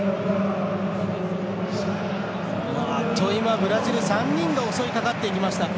ブラジル、３人で襲いかかっていきました。